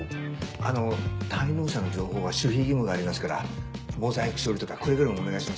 あの滞納者の情報は守秘義務がありますからモザイク処理とかくれぐれもお願いしますね。